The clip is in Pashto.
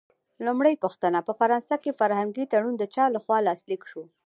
لومړۍ پوښتنه: په فرانسه کې فرهنګي تړون د چا له خوا لاسلیک شو؟